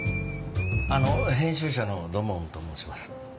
あの編集者の土門と申します。